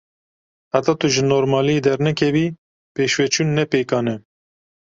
Heta tu ji normaliyê dernekevî, pêşveçûn ne pêkan e.